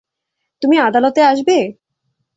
তুমি আদালতে আসবে?